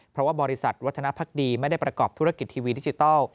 เพราะว่าบริษัทวัฒนภักดีไม่ได้ประกอบธุรกิจทีวีดิจิทัล